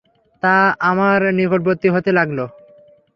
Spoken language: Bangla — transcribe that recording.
তা আমার নিকটবর্তী হতে লাগল।